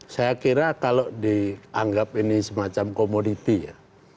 saya kira kalau dianggap ini semacam komoditi ya